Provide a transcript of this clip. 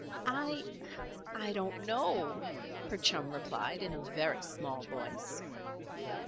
"I I don't know," her chum replied in a very small voice.